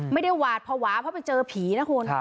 ไม่ได้หวาดภาวะเพราะว่าไปเจอผีนะคลุณ